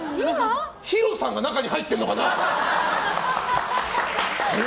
ＨＩＲＯさんが中に入ってるのかな？